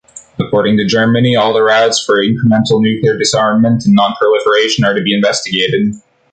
According to Germany all the routes for incremental nuclear disarmament and non-proliferation are to be investigated.